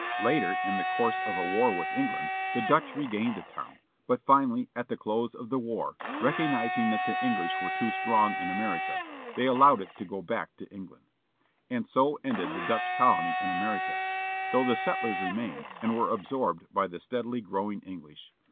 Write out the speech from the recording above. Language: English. ^v| Later, in the course of 13 HENRY HUDSON SAILING UP THE HUDSON â 1609 H THE DUTCH IN MANHATTAN, 1664 a war with England, the Dutch regained the town, but finally, at the close of the war, recognizing that the English were too strong in America, they allowed it to go back to England. And so ended the Dutch colony in America, though the settlers remained, and were absorbed by the steadily growing English.